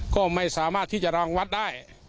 ก็ไม่สามารถที่จะรังวัดได้